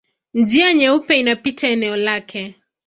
Njia Nyeupe inapita eneo lake.